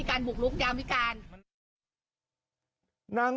อำเภอโพธาราม